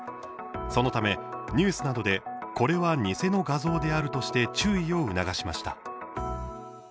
そのため、ニュースなどでこれは偽の画像であるとして注意を促しました。